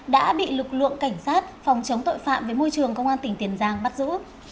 đã bị lực lượng cảnh sát phòng chống tội phạm với môi trường công an tỉnh tiền giang bắt giữ